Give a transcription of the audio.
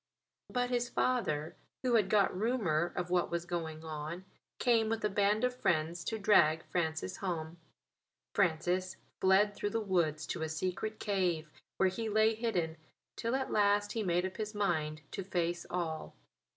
But his father, who had got rumour of what was going on, came with a band of friends to drag Francis home. Francis fled through the woods to a secret cave, where he lay hidden till at last he made up his mind to face all.